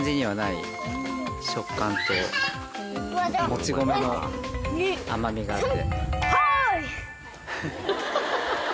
もち米の甘味があって。